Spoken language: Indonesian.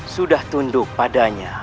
sudah tunduk padanya